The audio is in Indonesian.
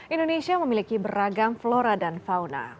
indonesia memiliki beragam flora dan fauna